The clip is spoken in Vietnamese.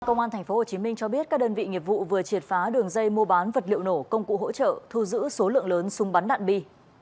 công an tp hcm cho biết các đơn vị nghiệp vụ vừa triệt phá đường dây mua bán vật liệu nổ công cụ hỗ trợ thu giữ số lượng lớn súng bắn đạn bi